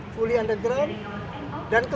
fully underground dan kesudian